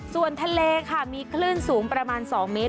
ส่วนทะเลค่ะมีคลื่นสูงประมาณ๒เมตร